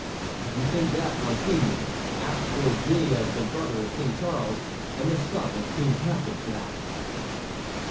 "If you think that, monseigneur, act towards me as the brother of King Charles and the son of Queen Catharine should act."